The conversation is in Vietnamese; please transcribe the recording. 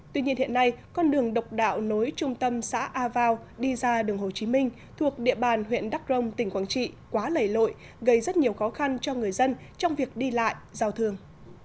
tuy nhiên hiện nay con đường độc đạo nối trung tâm xã a vao đi ra đường hồ chí minh thuộc địa bàn huyện đắk rông tỉnh quảng trị quá lầy lội gây rất nhiều khó khăn cho người dân trong việc đi lại giao thương